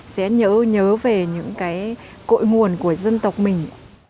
sẽ nhớ nhớ về những cái cội nguồn của dân tộc mình